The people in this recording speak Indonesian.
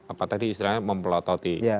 apa tadi istilahnya mempelototi